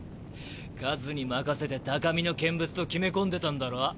数に任せて高みの見物と決め込んでたんだろ？